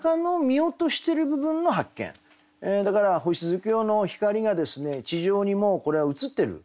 だから星月夜の光がですね地上にもこれはうつってる。